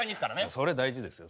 それは大事ですよ